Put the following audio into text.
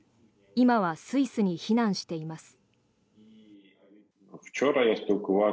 今はスイスに避難しています。